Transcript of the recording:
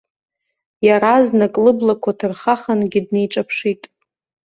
Иаразнак лыблақәа ҭырхахангьы днеиҿаԥшит.